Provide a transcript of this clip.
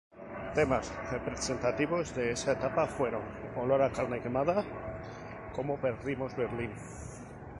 Temas representativos de esa etapa fueron "Olor a carne quemada", "¿Cómo perdimos Berlín?